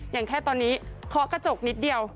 อย่างแค่ตอนนี้เคาะกระจกนิดเดียว